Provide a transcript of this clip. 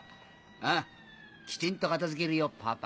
ああきちんと片付けるよパパ。